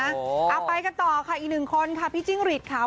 เอาไปกันต่อค่ะอีกหนึ่งคนค่ะพี่จิ้งหรีดค่ะ